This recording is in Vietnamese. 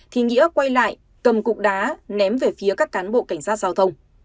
thì nghĩa quay lại cầm cục đá ném về phía các cán bộ cảnh sát giao thông